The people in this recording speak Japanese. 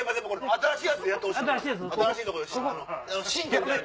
新しいやつでやってほしいのよ